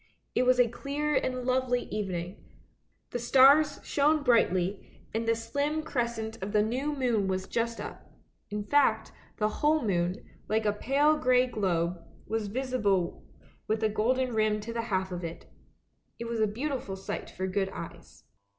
It was a clear and lovely evening; the stars shone brightly, and the slim crescent of the new moon was just up; in fact, the whole moon, like a pale grey globe, was visible with a golden rim to the half of it. It was a beautiful sight for good eyes.